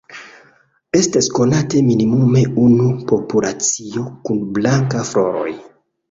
Estas konate minimume unu populacio kun blanka floroj.